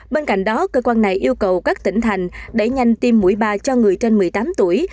bên cạnh đó cơ quan này yêu cầu các tỉnh thành đẩy nhanh tiêm mũi ba cho người trên một mươi tám tuổi